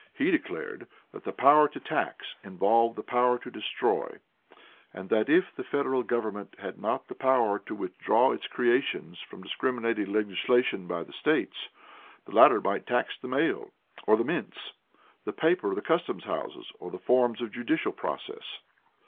He declared that the power to tax involved the power to destroy, and that if the federal government had not the power to withdraw its creations from discriminating legislation by the states, the latter might tax the mail or the mints, the papers of the custom houses, or the forms of judicial process.